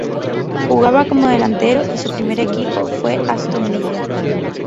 Jugaba como delantero y su primer equipo fue el Aston Villa.